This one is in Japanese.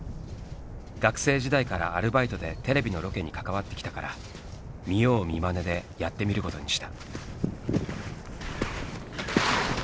学生時代からアルバイトでテレビのロケに関わってきたから見よう見まねでやってみることにした。